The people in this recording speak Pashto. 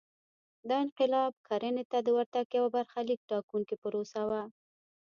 دا انقلاب کرنې ته د ورتګ یوه برخلیک ټاکونکې پروسه وه